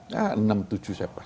ya enam tujuh saya pas